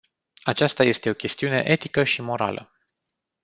Aceasta este o chestiune etică și morală.